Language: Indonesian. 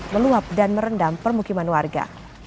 meluap dan merendam permukiman warga